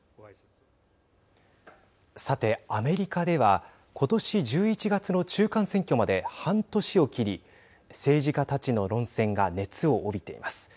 さて、アメリカではことし１１月の中間選挙まで半年を切り政治家たちの論戦が熱を帯びています。